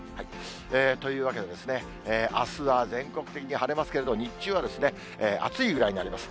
というわけで、あすは全国的に晴れますけれども、日中は暑いぐらいになります。